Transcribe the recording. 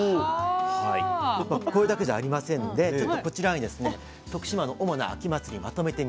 これだけじゃありませんのでこちらにですね徳島の主な秋祭りまとめてみました。